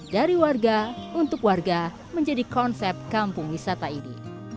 dari warga untuk warga menjadi konsep kampung wisata ini